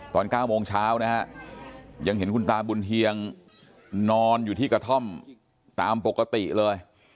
ตอน๙โมงเช้านะฮะยังเห็นคุณตาบุญเฮียงนอนอยู่ที่กระท่อมตามปกติเลย